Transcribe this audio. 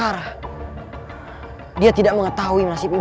aku datang kesini